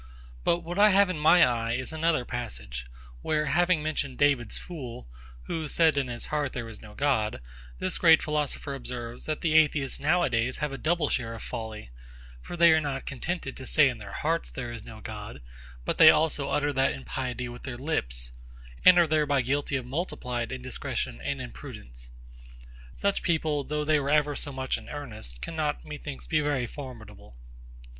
But what I have in my eye is another passage, where, having mentioned DAVID's fool, who said in his heart there is no God, this great philosopher observes, that the Atheists nowadays have a double share of folly; for they are not contented to say in their hearts there is no God, but they also utter that impiety with their lips, and are thereby guilty of multiplied indiscretion and imprudence. Such people, though they were ever so much in earnest, cannot, methinks, be very formidable.